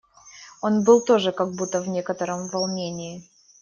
Он был тоже как будто в некотором волнении.